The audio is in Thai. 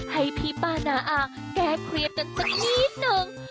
ให้พี่ป้านาอ่ากแก่เคลียร์กันสักนี้หนึ่ง